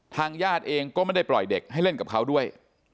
ญาติเองก็ไม่ได้ปล่อยเด็กให้เล่นกับเขาด้วย